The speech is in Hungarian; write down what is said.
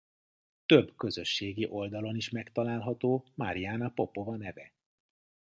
Több közösségi oldalon is megtalálható Mariana Popova neve.